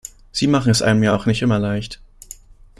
Sie machen es einem ja auch nicht immer leicht.